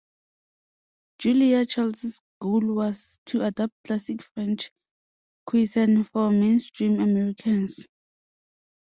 Julia Child's goal was to adapt classic French cuisine for mainstream Americans.